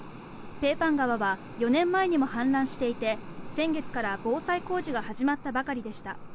ペーパン川は４年前にも氾濫していて先月から防災工事が始まったばかりでした。